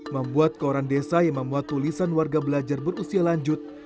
membuat koran desa yang memuat tulisan warga belajar berusia lanjut